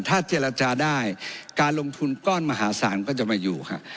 ถ้าเจรจาได้การลงทุนก้อนมหาศาลก็จะมาอยู่ค่ะ